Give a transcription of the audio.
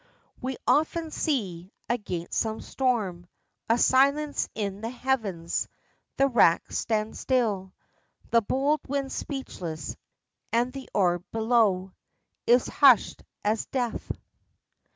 "We often see, against some storm. A silence in the heavens, the rack stand still, The bold wind speechless, and the orb below Is hushed as death."